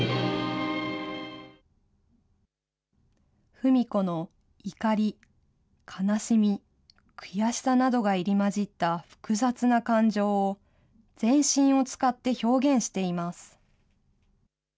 ふみ子の怒り、悲しみ、悔しさなどが入り混じった複雑な感情を、全身を使って表現しています。